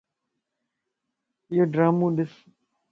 ايو ڊرامو ڏس